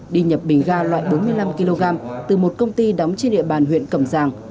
đi nhập bình ga loại bốn mươi năm kg từ một công ty đóng trên địa bàn huyện cầm giang